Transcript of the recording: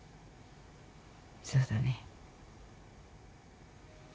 そうだね。